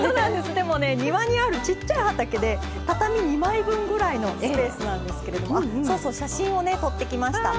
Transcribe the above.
デモね、庭にあるちっちゃい畑で畳２枚分ぐらいのスペースなんですけど写真を撮ってきました。